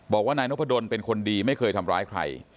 บอกว่านายนพดลเป็นคนดีไม่เคยทำร้ายใคร